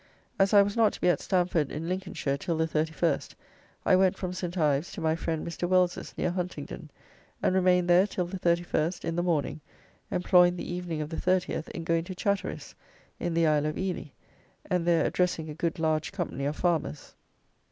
As I was not to be at Stamford in Lincolnshire till the 31st, I went from St. Ives to my friend Mr. Wells's, near Huntingdon, and remained there till the 31st in the morning, employing the evening of the 30th in going to Chatteris, in the Isle of Ely, and there addressing a good large company of farmers.